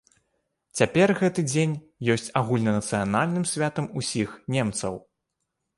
Цяпер гэты дзень ёсць агульнанацыянальным святам усіх немцаў.